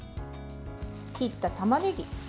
切ったたまねぎ。